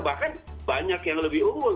bahkan banyak yang lebih unggul